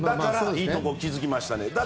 いいところに気付きましたね。